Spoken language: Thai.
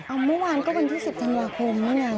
อ้าวเมื่อวานก็วันที่สิบธันวาคมแล้วนะ